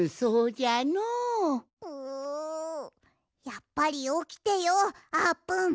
やっぱりおきてようあーぷん。